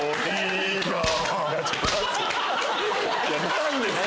何ですか！